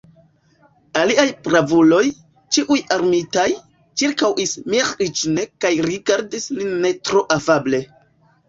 Aliaj bravuloj, ĉiuj armitaj, ĉirkaŭis Miĥeiĉ'n kaj rigardis lin ne tro afable.